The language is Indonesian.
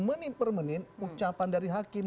menit per menit ucapan dari hakim